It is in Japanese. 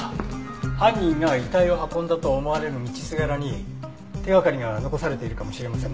犯人が遺体を運んだと思われる道すがらに手掛かりが残されているかもしれませんね。